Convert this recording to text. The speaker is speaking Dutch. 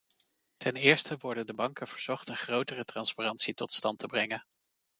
Ten eerste worden de banken verzocht een grotere transparantie tot stand te brengen.